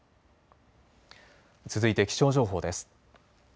続いて気象情報です。